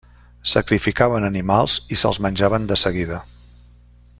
Sacrificaven animals i se'ls menjaven de seguida.